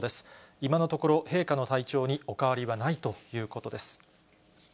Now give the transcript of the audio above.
今のところ、陛下の体調にお変わりはないということです。